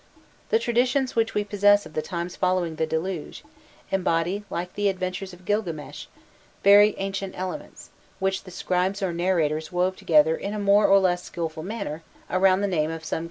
The traditions which we possess of the times following the Deluge, embody, like the adventures of Gilganes, very ancient elements, which the scribes or narrators wove together in a more or less skilful manner around the name of some king or divinity.